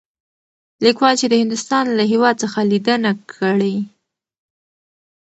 ليکوال چې د هندوستان له هـيواد څخه ليدنه کړى.